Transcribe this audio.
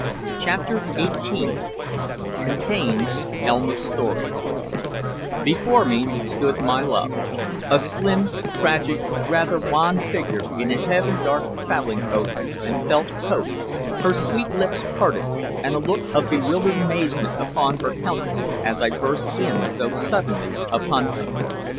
CHAPTER XVIII CONTAINS ELMA'S STORY Before me stood my love, a slim, tragic, rather wan figure in a heavy dark traveling coat and felt toque, her sweet lips parted and a look of bewildered amazement upon her countenance as I burst in so suddenly upon her.